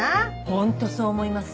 ホントそう思います。